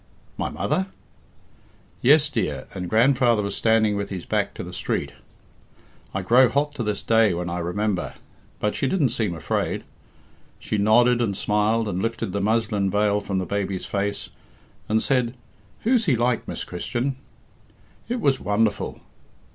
"My mother?" "Yes, dear, and grandfather was standing with his back to the street. I grow hot to this day when I remember, but she didn't seem afraid. She nodded and smiled and lifted the muslin veil from the baby's face, and said 'Who's he like, Miss Christian?' It was wonderful.